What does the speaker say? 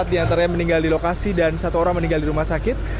empat diantaranya meninggal di lokasi dan satu orang meninggal di rumah sakit